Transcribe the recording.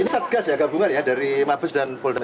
ini setgas ya gabungan ya dari mabes dan pol dan jz